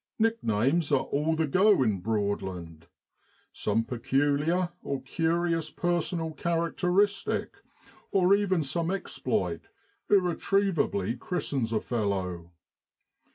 Nicknames are all the go in Broadland; some peculiar or curious personal characteristic, or even some exploit, irretrievably christens a fellow.